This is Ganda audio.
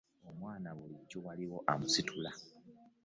Omwana bulijjo waliwo amunsitulira.